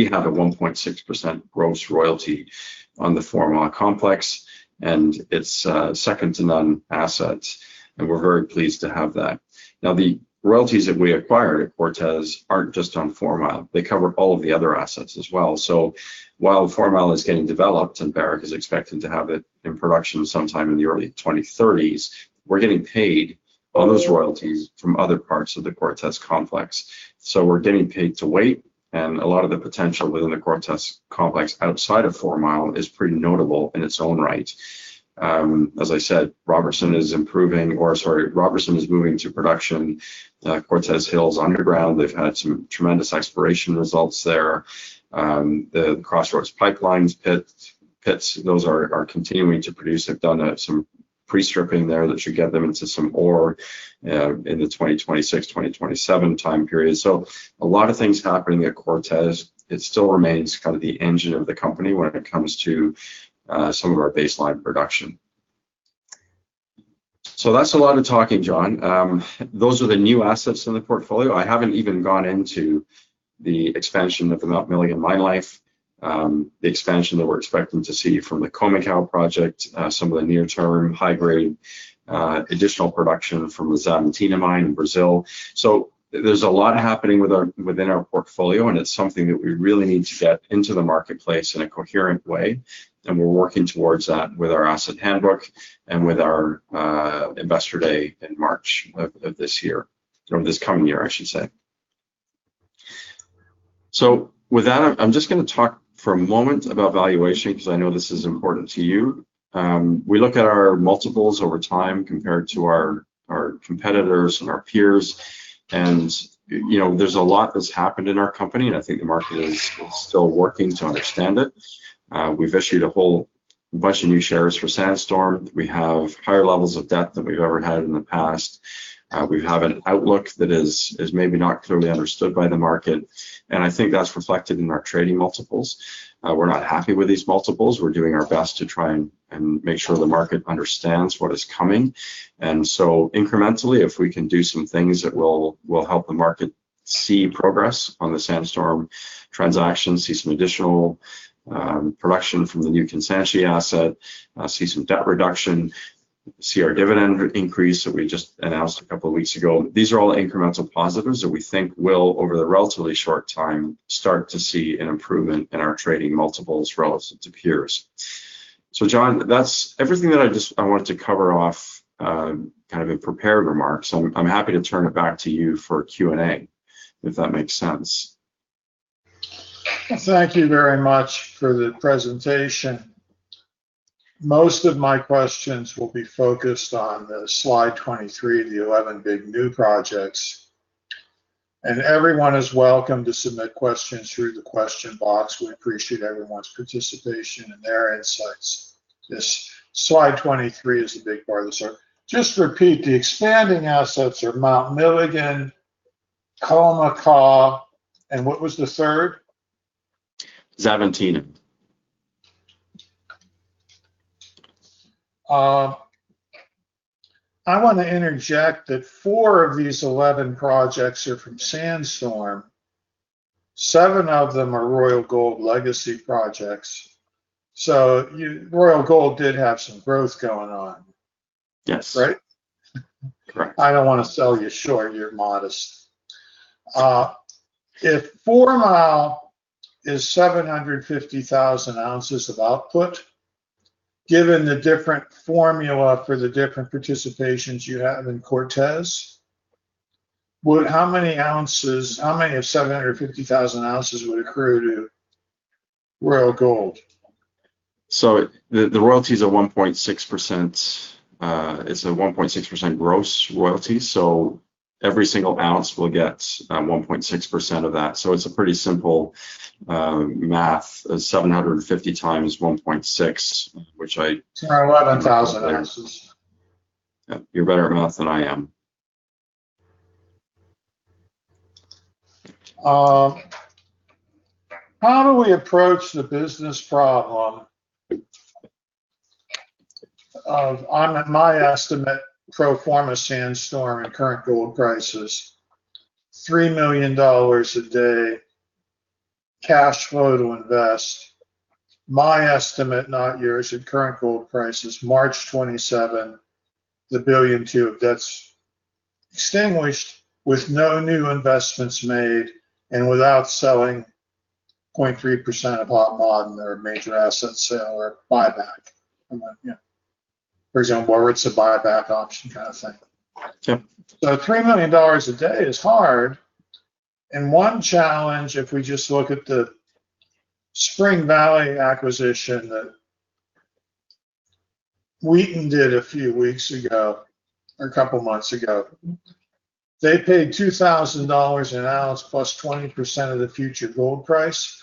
had a 1.6% gross royalty on the Four Mile Complex, and it's a second-to-none asset, and we're very pleased to have that. Now, the royalties that we acquired at Cortez aren't just on Four Mile. They cover all of the other assets as well, so while Four Mile is getting developed and Barrick is expected to have it in production sometime in the early 2030s, we're getting paid on those royalties from other parts of the Cortez Complex, so we're getting paid to wait, and a lot of the potential within the Cortez Complex outside of Four Mile is pretty notable in its own right. As I said, Robertson is improving or, sorry, Robertson is moving to production. Cortez Hills Underground, they've had some tremendous exploration results there. The Crossroads, Pipeline pits, those are continuing to produce. They've done some pre-stripping there that should get them into some ore in the 2026-2027 time period. So a lot of things happening at Cortez. It still remains kind of the engine of the company when it comes to some of our baseline production. So that's a lot of talking, John. Those are the new assets in the portfolio. I haven't even gone into the expansion of the Mount Milligan mine life, the expansion that we're expecting to see from the Khoemacau project, some of the near-term high-grade additional production from the Xavantina mine in Brazil. So there's a lot happening within our portfolio, and it's something that we really need to get into the marketplace in a coherent way. And we're working towards that with our asset handbook and with our investor day in March of this year, or this coming year, I should say. So with that, I'm just going to talk for a moment about valuation because I know this is important to you. We look at our multiples over time compared to our competitors and our peers. And there's a lot that's happened in our company, and I think the market is still working to understand it. We've issued a whole bunch of new shares for Sandstorm. We have higher levels of debt than we've ever had in the past. We have an outlook that is maybe not clearly understood by the market. And I think that's reflected in our trading multiples. We're not happy with these multiples. We're doing our best to try and make sure the market understands what is coming. And so incrementally, if we can do some things that will help the market see progress on the Sandstorm transaction, see some additional production from the new Kansanshi asset, see some debt reduction, see our dividend increase that we just announced a couple of weeks ago, these are all incremental positives that we think will, over the relatively short time, start to see an improvement in our trading multiples relative to peers. So, John, that's everything that I just wanted to cover off kind of in prepared remarks. I'm happy to turn it back to you for Q&A, if that makes sense. Thank you very much for the presentation. Most of my questions will be focused on the slide 23, the 11 big new projects. And everyone is welcome to submit questions through the question box. We appreciate everyone's participation and their insights. This slide 23 is a big part of this. Just to repeat, the expanding assets are Mount Milligan, Khoemacau, and what was the third? Xavantina. I want to interject that four of these 11 projects are from Sandstorm. Seven of them are Royal Gold legacy projects. So Royal Gold did have some growth going on, right? Yes. Correct. I don't want to sell you short. You're modest. If Four Mile is 750,000 ounces of output, given the different formula for the different participations you have in Cortez, how many ounces, how many of 750,000 ozwould accrue to Royal Gold? So the royalties are 1.6%. It's a 1.6% gross royalty. So every single ounce will get 1.6% of that. So it's a pretty simple math of 750 times 1.6 or 11,000 oz. You're better at math than I am. How do we approach the business problem of my estimate pro-forma Sandstorm and current gold prices $3 million a day cash flow to invest, my estimate, not yours, at current gold prices March 27 $1 billion to have debts extinguished with no new investments made and without selling 0.3% of Hod Maden and their major asset sale or buyback? For example, whether it's a buyback option kind of thing. $3 million a day is hard. One challenge, if we just look at the Spring Valley acquisition that Wheaton did a few weeks ago or a couple of months ago, they paid $2,000 an ounce plus 20% of the future gold price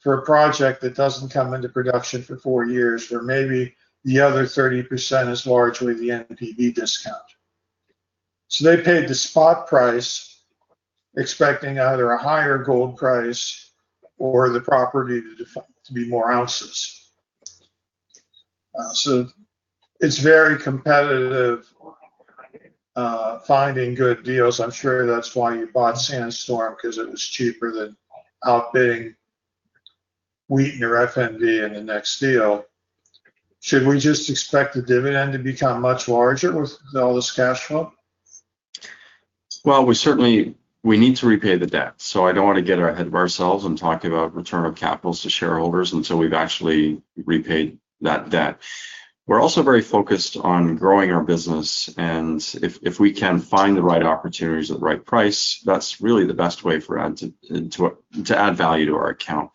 for a project that doesn't come into production for four years, where maybe the other 30% is largely the NPV discount. So they paid the spot price, expecting either a higher gold price or the property to be more ounces. So it's very competitive finding good deals. I'm sure that's why you bought Sandstorm, because it was cheaper than outbidding Wheaton or FNV in the next deal. Should we just expect the dividend to become much larger with all this cash flow? Well, we certainly need to repay the debt. So I don't want to get ahead of ourselves and talk about return of capitals to shareholders until we've actually repaid that debt. We're also very focused on growing our business. And if we can find the right opportunities at the right price, that's really the best way for us to add value to our account.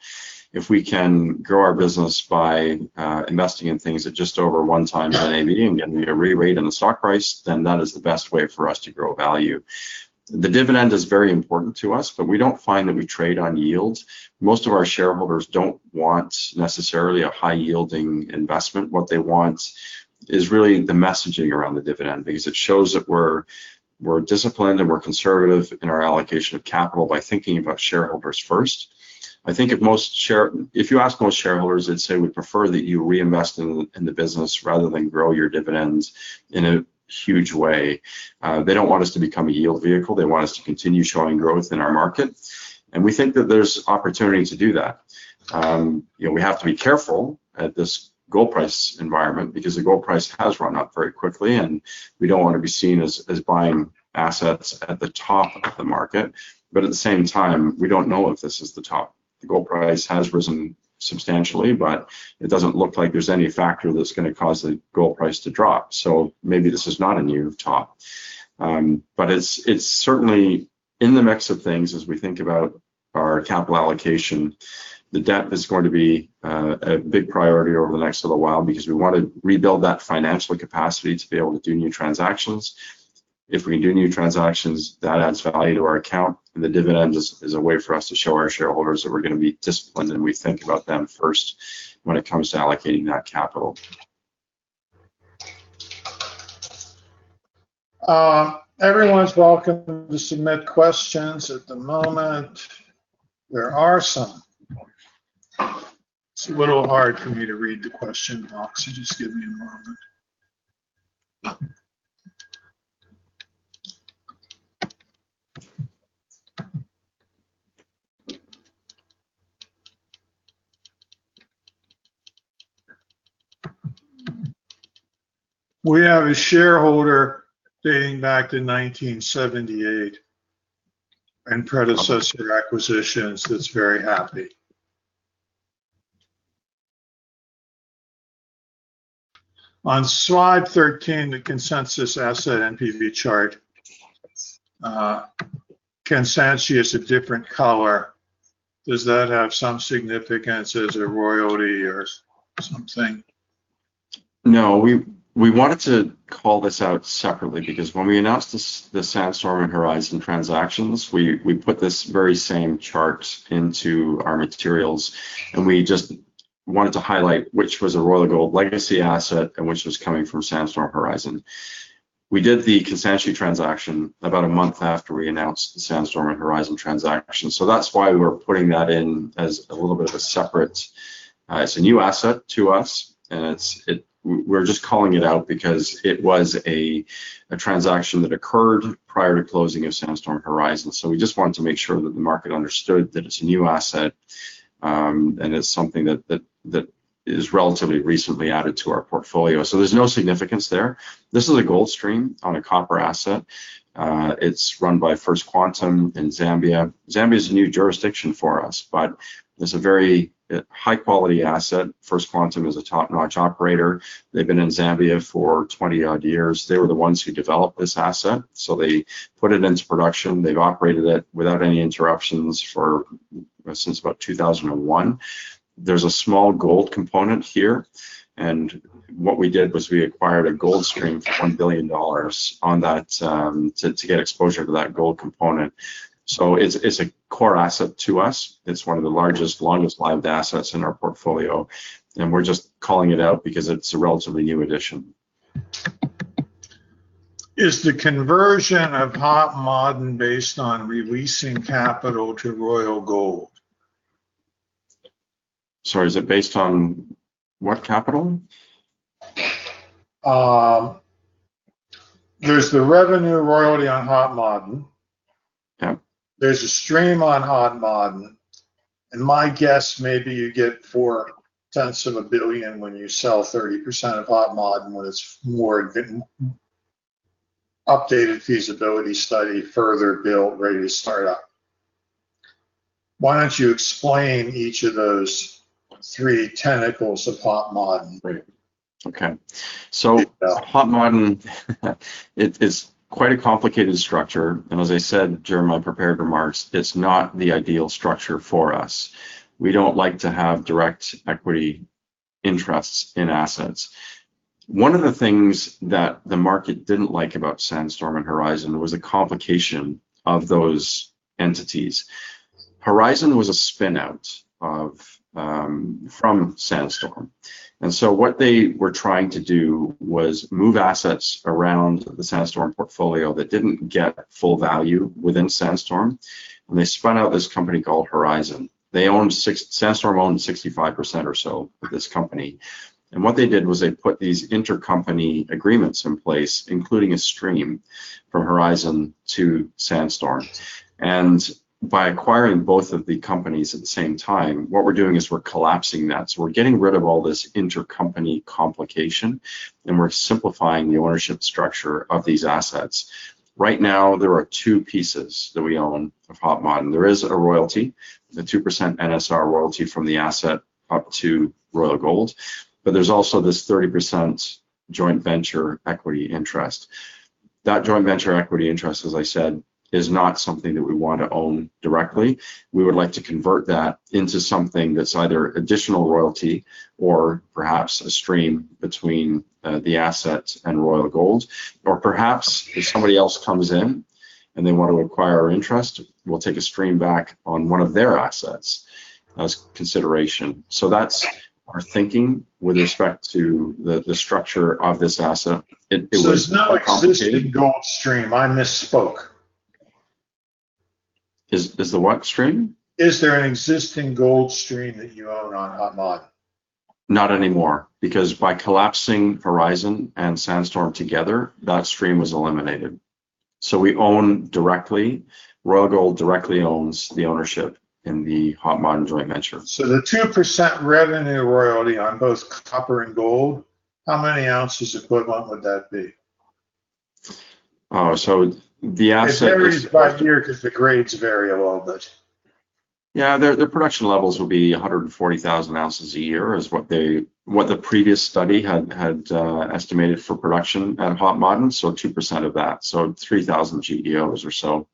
If we can grow our business by investing in things at just over one times NAV and getting a re-rating in the stock price, then that is the best way for us to grow value. The dividend is very important to us, but we don't find that we trade on yield. Most of our shareholders don't want necessarily a high-yielding investment. What they want is really the messaging around the dividend because it shows that we're disciplined and we're conservative in our allocation of capital by thinking about shareholders first. I think if you ask most shareholders, they'd say, "We'd prefer that you reinvest in the business rather than grow your dividends in a huge way." They don't want us to become a yield vehicle. They want us to continue showing growth in our market, and we think that there's opportunity to do that. We have to be careful at this gold price environment because the gold price has run up very quickly, and we don't want to be seen as buying assets at the top of the market, but at the same time, we don't know if this is the top. The gold price has risen substantially, but it doesn't look like there's any factor that's going to cause the gold price to drop, so maybe this is not a new top, but it's certainly in the mix of things as we think about our capital allocation. The debt is going to be a big priority over the next little while because we want to rebuild that financial capacity to be able to do new transactions. If we can do new transactions, that adds value to our account. And the dividend is a way for us to show our shareholders that we're going to be disciplined and we think about them first when it comes to allocating that capital. Everyone's welcome to submit questions at the moment. There are some. It's a little hard for me to read the question box. So just give me a moment. We have a shareholder dating back to 1978 and predecessor acquisitions that's very happy. On Slide 13, the consensus asset NPV chart, Kansanshi is a different color. Does that have some significance as a royalty or something? No. We wanted to call this out separately because when we announced the Sandstorm and Horizon transactions, we put this very same chart into our materials. And we just wanted to highlight which was a Royal Gold legacy asset and which was coming from Sandstorm Horizon. We did the Kansanshi transaction about a month after we announced the Sandstorm and Horizon transaction. So that's why we're putting that in as a little bit of a separate, it's a new asset to us. And we're just calling it out because it was a transaction that occurred prior to closing of Sandstorm Horizon. So we just wanted to make sure that the market understood that it's a new asset and it's something that is relatively recently added to our portfolio. So there's no significance there. This is a gold stream on a copper asset. It's run by First Quantum in Zambia. Zambia is a new jurisdiction for us, but it's a very high-quality asset. First Quantum is a top-notch operator. They've been in Zambia for 20-odd years. They were the ones who developed this asset. So they put it into production. They've operated it without any interruptions since about 2001. There's a small gold component here. And what we did was we acquired a gold stream for $1 billion on that to get exposure to that gold component. So it's a core asset to us. It's one of the largest, longest-lived assets in our portfolio. And we're just calling it out because it's a relatively new addition. Is the conversion of Hod Maden based on releasing capital to Royal Gold? Sorry, is it based on what capital? There's the revenue royalty on Hod Maden. There's a stream on Hod Maden. And my guess, maybe you get four cents of a billion when you sell 30% of Hod Maden when it's more updated feasibility study, further built, ready to start up. Why don't you explain each of those three tentacles of Hod Maden? Okay. So Hod Maden is quite a complicated structure. And as I said, Jeremiah prepared remarks. It's not the ideal structure for us. We don't like to have direct equity interests in assets. One of the things that the market didn't like about Sandstorm and Horizon was the complication of those entities. Horizon was a spinout from Sandstorm. And so what they were trying to do was move assets around the Sandstorm portfolio that didn't get full value within Sandstorm. And they spun out this company called Horizon. Sandstorm owned 65% or so of this company. And what they did was they put these intercompany agreements in place, including a stream from Horizon to Sandstorm. And by acquiring both of the companies at the same time, what we're doing is we're collapsing that. So we're getting rid of all this intercompany complication, and we're simplifying the ownership structure of these assets. Right now, there are two pieces that we own of Hod Maden. There is a royalty, the 2% NSR royalty from the asset up to Royal Gold. But there's also this 30% joint venture equity interest. That joint venture equity interest, as I said, is not something that we want to own directly. We would like to convert that into something that's either additional royalty or perhaps a stream between the asset and Royal Gold. Or perhaps if somebody else comes in and they want to acquire our interest, we'll take a stream back on one of their assets as consideration. So that's our thinking with respect to the structure of this asset. It was complicated, so there's no existing gold stream. I misspoke. Is the what stream? Is there an existing gold stream that you own on Hod Maden? Not anymore. Because by collapsing Horizon and Sandstorm together, that stream was eliminated. So we own directly. Royal Gold directly owns the ownership in the Hod Maden joint venture. So the 2% revenue royalty on both copper and gold, how many ounces equivalent would that be? So the asset is. It varies by year because the grades vary a little bit. Yeah. Their production levels will be 140,000 ounces a year is what the previous study had estimated for production at Hod Maden. So 2% of that. So 3,000 GEOs or so.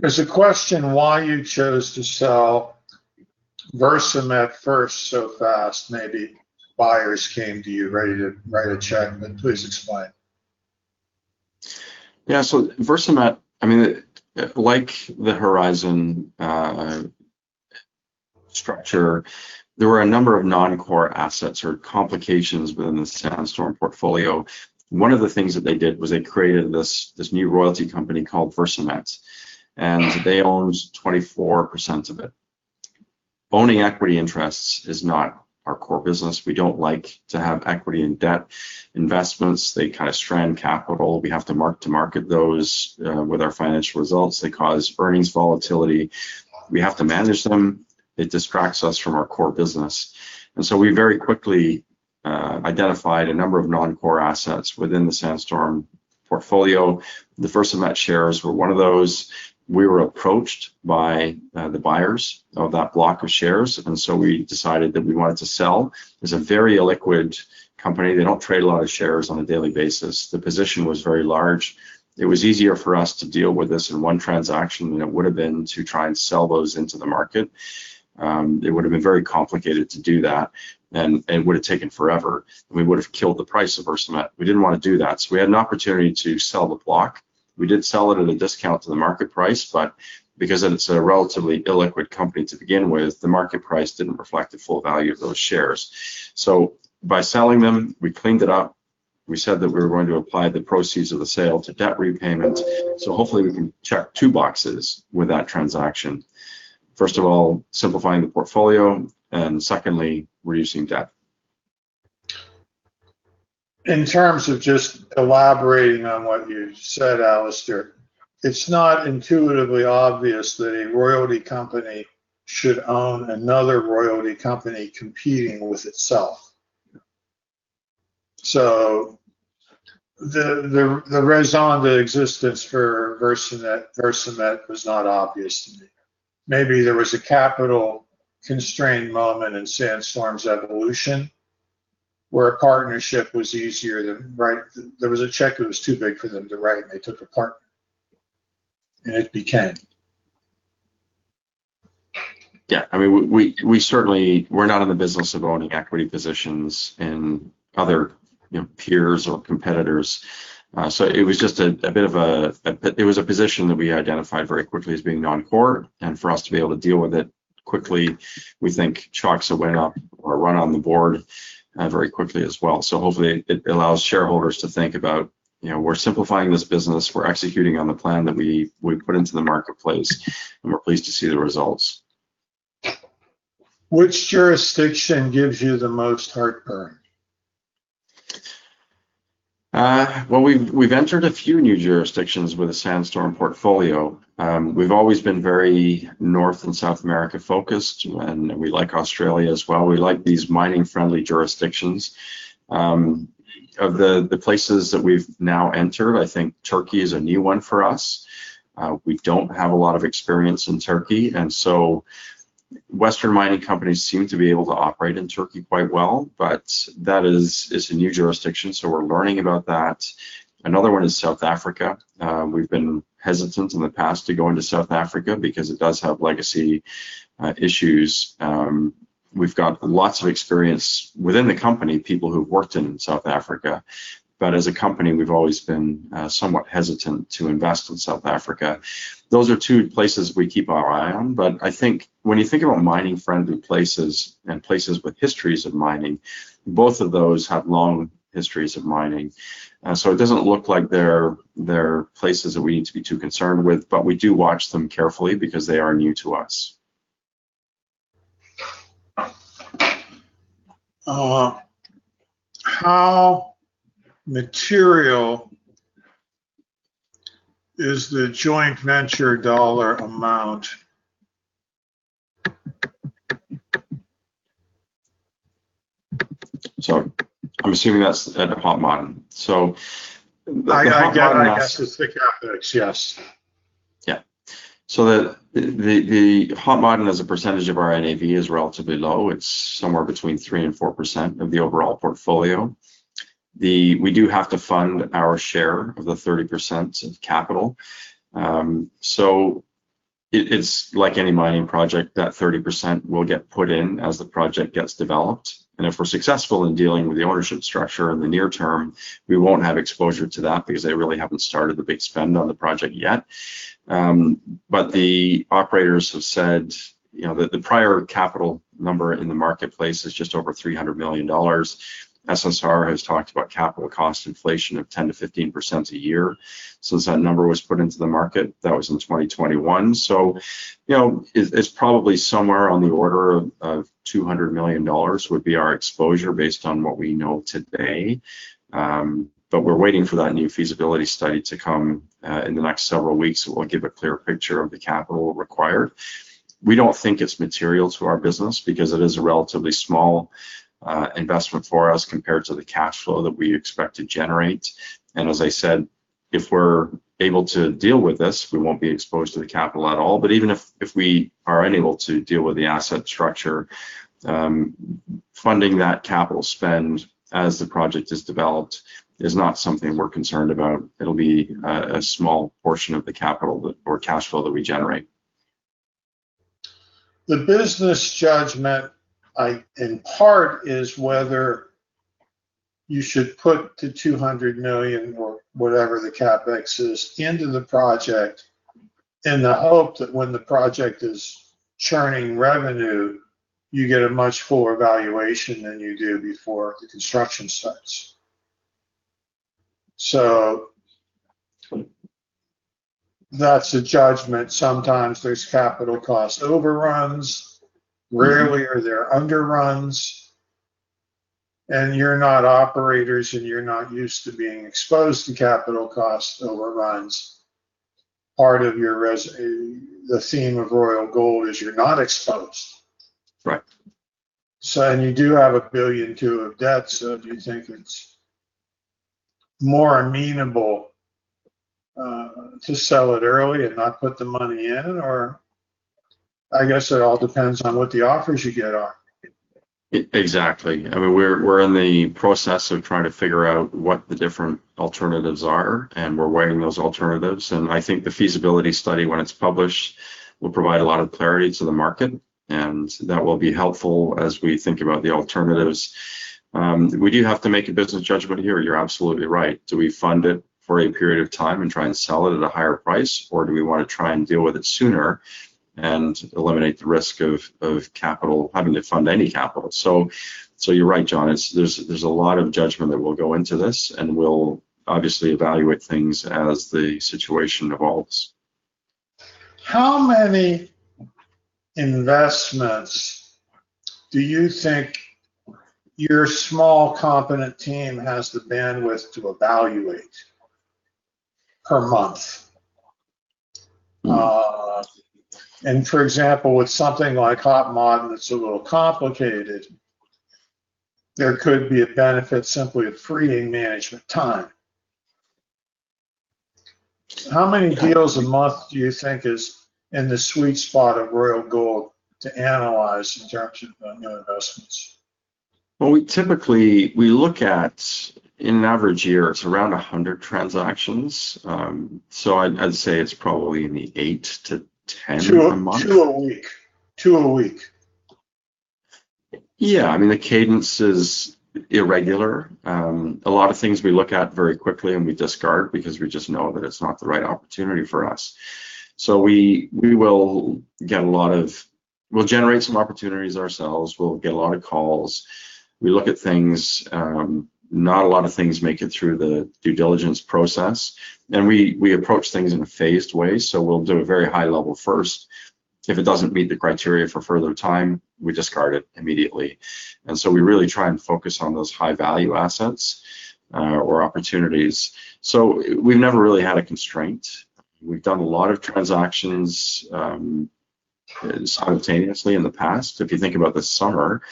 There's a question why you chose to sell VersaMet first so fast. Maybe buyers came to you ready to write a check. But please explain. Yeah. So VersaMet, I mean, like the Horizon structure, there were a number of non-core assets or complications within the Sandstorm portfolio. One of the things that they did was they created this new royalty company called VersaMet, and they owned 24% of it. Owning equity interests is not our core business. We don't like to have equity in debt investments. They kind of strand capital. We have to mark to market those with our financial results. They cause earnings volatility. We have to manage them. It distracts us from our core business, and so we very quickly identified a number of non-core assets within the Sandstorm portfolio. The VersaMet shares were one of those. We were approached by the buyers of that block of shares, and so we decided that we wanted to sell. It's a very illiquid company. They don't trade a lot of shares on a daily basis. The position was very large. It was easier for us to deal with this in one transaction than it would have been to try and sell those into the market. It would have been very complicated to do that, and it would have taken forever, and we would have killed the price of VersaMet. We didn't want to do that, so we had an opportunity to sell the block. We did sell it at a discount to the market price, but because it's a relatively illiquid company to begin with, the market price didn't reflect the full value of those shares, so by selling them, we cleaned it up. We said that we were going to apply the proceeds of the sale to debt repayment, so hopefully, we can check two boxes with that transaction, first of all, simplifying the portfolio, and secondly, reducing debt. In terms of just elaborating on what you said, Alistair, it's not intuitively obvious that a royalty company should own another royalty company competing with itself. So the raison d'être for VersaMet was not obvious to me. Maybe there was a capital constraint moment in Sandstorm's evolution where a partnership was easier than there was a check that was too big for them to write, and they took a partner. I mean, we certainly were not in the business of owning equity positions in other peers or competitors. So it was just a bit of a position that we identified very quickly as being non-core. And for us to be able to deal with it quickly, we think chalking up a run on the board very quickly as well. So hopefully, it allows shareholders to think about, "We're simplifying this business. We're executing on the plan that we put into the marketplace. And we're pleased to see the results." Which jurisdiction gives you the most heartburn? Well, we've entered a few new jurisdictions with a Sandstorm portfolio. We've always been very North and South America focused. And we like Australia as well. We like these mining-friendly jurisdictions. Of the places that we've now entered, I think Turkey is a new one for us. We don't have a lot of experience in Turkey. And so Western mining companies seem to be able to operate in Turkey quite well. But that is a new jurisdiction. So we're learning about that. Another one is South Africa. We've been hesitant in the past to go into South Africa because it does have legacy issues. We've got lots of experience within the company, people who've worked in South Africa. But as a company, we've always been somewhat hesitant to invest in South Africa. Those are two places we keep our eye on. But I think when you think about mining-friendly places and places with histories of mining, both of those have long histories of mining. So it doesn't look like they're places that we need to be too concerned with. But we do watch them carefully because they are new to us. How material is the joint venture dollar amount? Sorry. I'm assuming that's at Hod Maden. So the Hod Maden. I got to stick out there, yes. Y eah. So the Hod Maden as a percentage of our NAV is relatively low. It's somewhere between 3%-4% of the overall portfolio. We do have to fund our share of the 30% of capital. So it's like any mining project. That 30% will get put in as the project gets developed. And if we're successful in dealing with the ownership structure in the near term, we won't have exposure to that because they really haven't started the big spend on the project yet. But the operators have said the prior capital number in the marketplace is just over $300 million. SSR has talked about capital cost inflation of 10%-15% a year. So since that number was put into the market, that was in 2021. So it's probably somewhere on the order of $200 million would be our exposure based on what we know today. But we're waiting for that new feasibility study to come in the next several weeks that will give a clear picture of the capital required. We don't think it's material to our business because it is a relatively small investment for us compared to the cash flow that we expect to generate. And as I said, if we're able to deal with this, we won't be exposed to the capital at all. But even if we are unable to deal with the asset structure, funding that capital spend as the project is developed is not something we're concerned about. It'll be a small portion of the capital or cash flow that we generate. The business judgment, in part, is whether you should put the $200 million or whatever the CapEx is into the project in the hope that when the project is churning revenue, you get a much fuller valuation than you do before the construction starts. So that's a judgment. Sometimes there's capital cost overruns. Rarely are there underruns. And you're not operators, and you're not used to being exposed to capital cost overruns. Part of the theme of Royal Gold is you're not exposed, and you do have $1.2 billion of debt. So do you think it's more amenable to sell it early and not put the money in? Or I guess it all depends on what the offers you get are. Exactly. I mean, we're in the process of trying to figure out what the different alternatives are, and we're weighing those alternatives, and I think the feasibility study, when it's published, will provide a lot of clarity to the market, and that will be helpful as we think about the alternatives. We do have to make a business judgment here. You're absolutely right. Do we fund it for a period of time and try and sell it at a higher price? Or do we want to try and deal with it sooner and eliminate the risk of having to fund any capital? So you're right, John. There's a lot of judgment that will go into this. And we'll obviously evaluate things as the situation evolves. How many investments do you think your small competent team has the bandwidth to evaluate per month? And for example, with something like Hod Maden that's a little complicated, there could be a benefit simply of freeing management time. How many deals a month do you think is in the sweet spot of Royal Gold to analyze in terms of investments? Well, typically, we look at, in an average year, it's around 100 transactions. So I'd say it's probably in the 8-10 a month. Two a week. Two a week. Yeah. I mean, the cadence is irregular. A lot of things we look at very quickly, and we discard because we just know that it's not the right opportunity for us, so we'll generate some opportunities ourselves. We'll get a lot of calls. We look at things. Not a lot of things make it through the due diligence process, and we approach things in a phased way, so we'll do a very high level first. If it doesn't meet the criteria for further time, we discard it immediately, and so we really try and focus on those high-value assets or opportunities, so we've never really had a constraint. We've done a lot of transactions simultaneously in the past. If you think about the summer,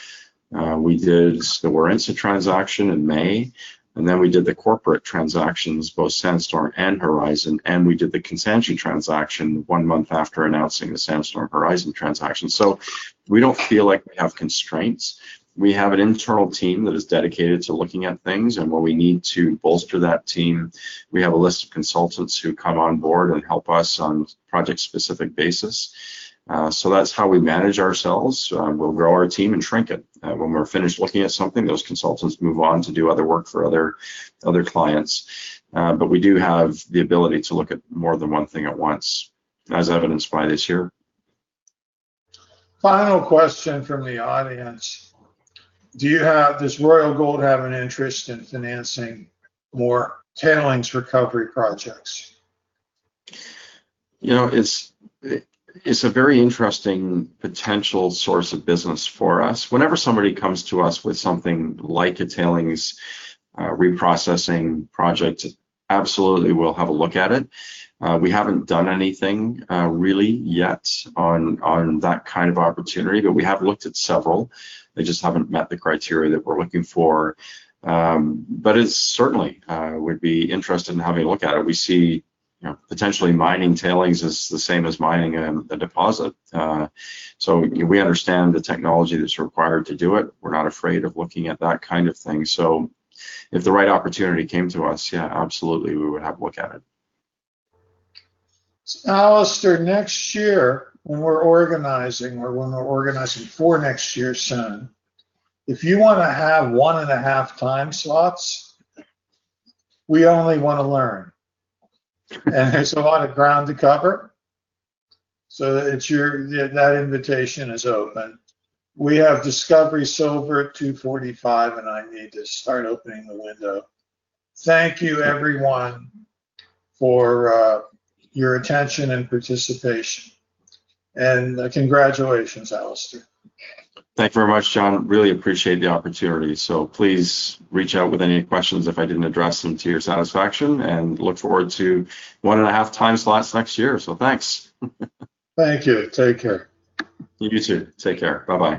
we did the Warrants transaction in May, and then we did the corporate transactions, both Sandstorm and Horizon. And we did the Consanguinee transaction one month after announcing the Sandstorm-Horizon transaction. So we don't feel like we have constraints. We have an internal team that is dedicated to looking at things. And when we need to bolster that team, we have a list of consultants who come on board and help us on a project-specific basis. So that's how we manage ourselves. We'll grow our team and shrink it. When we're finished looking at something, those consultants move on to do other work for other clients. But we do have the ability to look at more than one thing at once, as evidenced by this year. Final question from the audience. Does Royal Gold have an interest in financing more tailings recovery projects? It's a very interesting potential source of business for us. Whenever somebody comes to us with something like a tailings reprocessing project, absolutely, we'll have a look at it. We haven't done anything really yet on that kind of opportunity. But we have looked at several. They just haven't met the criteria that we're looking for. But certainly, we'd be interested in having a look at it. We see potentially mining tailings is the same as mining a deposit. So we understand the technology that's required to do it. We're not afraid of looking at that kind of thing. So if the right opportunity came to us, yeah, absolutely, we would have a look at it. Alistair, next year, when we're organizing for next year soon. If you want to have one and a half time slots, we only want to learn. And there's a lot of ground to cover. So that invitation is open. We have Discovery Silver 245, and I need to start opening the window. Thank you, everyone, for your attention and participation. And congratulations, Alistair. Thank you very much, John. Really appreciate the opportunity. So please reach out with any questions if I didn't address them to your satisfaction. And look forward to one and a half time slots next year. So thanks. Thank you. Take care. You too. Take care. Bye-bye.